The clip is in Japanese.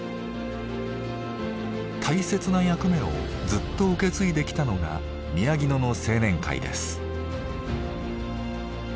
大切な役目をずっと受け継いできたのが宮城野の青年会です。